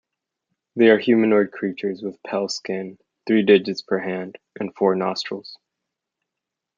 They are humanoid creatures with pale skin, three digits per hand, and four nostrils.